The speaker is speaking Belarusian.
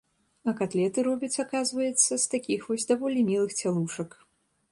А катлеты робяць, аказваецца, з такіх вось даволі мілых цялушак.